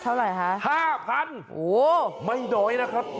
เท่าไหร่คะโอ้โฮไม่น้อยนะครับ